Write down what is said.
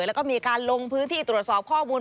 แล้วก็มีการลงพื้นที่ตรวจสอบข้อมูล